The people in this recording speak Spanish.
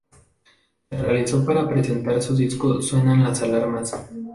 Se realizó para presentar su disco Suenan las alarmas.